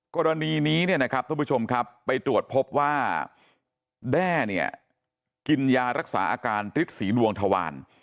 กรณีนี้นะครับท่วปกรณีพบว่าได้เนี่ยกินยารักษาอาการตริศสีดวงถวาน